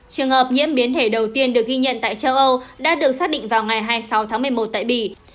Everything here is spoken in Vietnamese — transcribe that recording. trường hợp nhiễm biến thể đầu tiên được ghi nhận tại châu âu đã được xác định vào ngày hai mươi sáu tháng một mươi một tại bỉ